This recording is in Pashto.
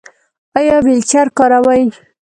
ایا ویلچیر کاروئ؟